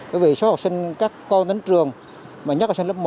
bởi vì số học sinh các con đến trường mà nhắc vào sinh lớp một